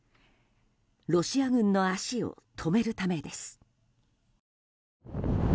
ロシア軍の足を止めるためです。